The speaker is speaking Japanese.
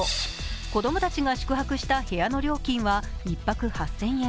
子供たちが宿泊した部屋の料金は１泊８０００円。